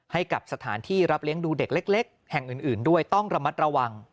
ให้กับสถานที่รับเลี้ยงดูเด็กเล็กแห่งอื่นด้วยต้องระมัดระวัง